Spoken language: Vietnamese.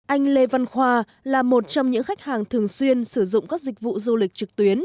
anh lê văn khoa là một trong những khách hàng thường xuyên sử dụng các dịch vụ du lịch trực tuyến